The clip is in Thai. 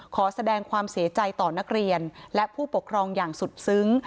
ขอแสดงความเสียใจต่อนักเรียนและผู้ปกครองอย่างสุดซึ้ง